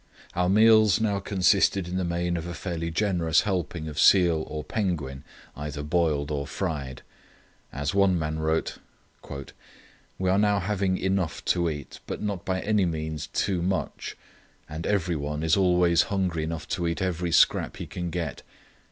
Our meals now consisted in the main of a fairly generous helping of seal or penguin, either boiled or fried. As one man wrote: "We are now having enough to eat, but not by any means too much; and every one is always hungry enough to eat every scrap he can get.